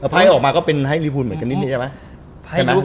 พ่ายออกมาก็เป็นให้ริภูมิเหมือนกันนิดหน่อยใช่ไหม